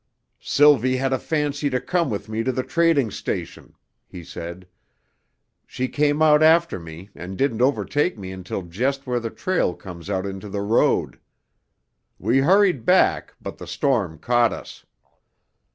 "Sylvie had a fancy to come with me to the trading station," he said. "She came out after me and didn't overtake me until just where the trail comes out into the road. We hurried back, but the storm caught us.